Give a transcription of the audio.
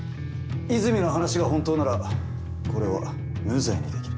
泉の話が本当ならこれは無罪にできる。